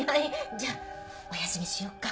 じゃあおやすみしようか？